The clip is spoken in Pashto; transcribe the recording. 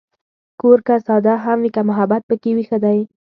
کور که ساده هم وي، که محبت پکې وي، ښه دی.